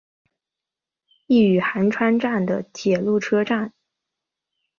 伊予寒川站的铁路车站。